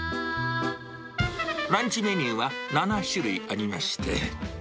ランチメニューは７種類ありまして。